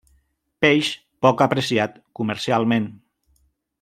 Peix poc apreciat comercialment.